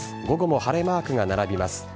午後も晴れマークが並びます。